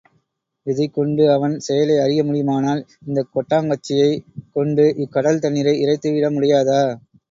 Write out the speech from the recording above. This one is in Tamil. இதைக் கொண்டு அவன் செயலை அறிய முடியுமானால், இந்தக் கொட்டாங்கச்சியைக் கொண்டு இக்கடல் தண்ணீரை இறைத்து விட முடியாதா?